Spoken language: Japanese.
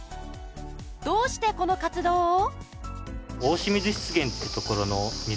どうしてこの活動を？